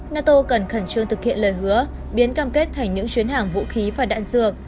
nato cần khẩn trương thực hiện lời hứa biến cam kết thành những chuyến hàng vũ khí và đạn dược